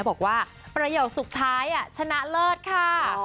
บอกว่าประโยคสุดท้ายชนะเลิศค่ะ